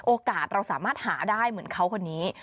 โอกาสเราสามารถหาได้เหมือนเขาคนนี้